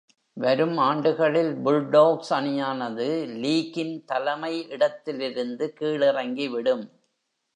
வரும் ஆண்டுகளில் Bulldogs அணியானது லீகின் தலைமை இடத்திலிருந்து கீழிறங்கிவிடும்.